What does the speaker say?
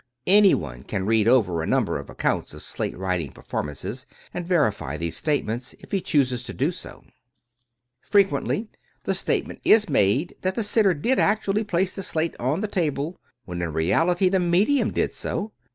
Anyone can read over a number of accounts of slate writing performances, and verify these statements, if he chooses to do so. Frequently, the statement is made that the sitter did actually place the slate on the table, when in reality the medium did so.